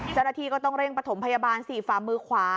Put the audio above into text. เจ้าหน้าที่ก็ต้องเร่งประถมพยาบาลสิฝ่ามือขวา